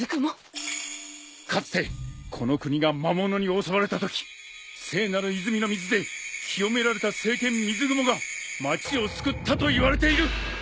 かつてこの国が魔物に襲われたとき聖なる泉の水で清められた聖剣水雲が町を救ったといわれている。